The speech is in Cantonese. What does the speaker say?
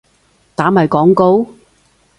打埋廣告？